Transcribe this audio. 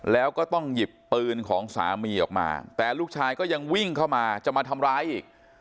แล้วก็ต้องหยิบปืนของสามีออกมาแต่ลูกชายก็ยังวิ่งเข้ามาจะมาทำร้ายอีก